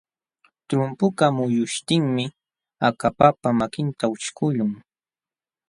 Trumpukaq muyuśhtinmi akapapa makinta ućhkuqlun.